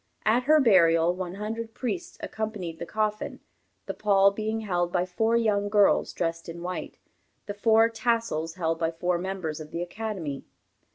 At her burial, one hundred priests accompanied the coffin, the pall being held by four young girls, dressed in white, the four tassels held by four members of the Academy.